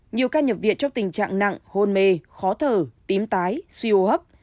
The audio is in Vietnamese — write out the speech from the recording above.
nhiều ca nhập viện trong tình trạng nặng hôn mê khó thở tím tái suy hô hấp